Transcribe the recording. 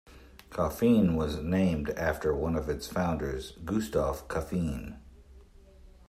Coffeen was named after one of its founders, Gustavus Coffeen.